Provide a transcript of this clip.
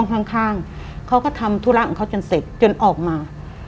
ข้างข้างเขาก็ทำธุระของเขาจนเสร็จจนออกมา